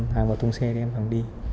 hàng vào túng xe để em đi